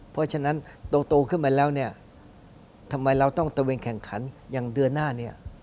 เพราะฉะนั้นโตขึ้นมาแล้วเนี่ยทำไมเราต้องตะเวนแข่งขันอย่างเดือนหน้าเนี่ย